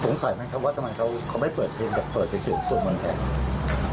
สงสัยมั้ยครับว่าจะมันเขาเขาไม่เปิดเพลงแต่เปิดไปเสียงสวดมนตร์แหละ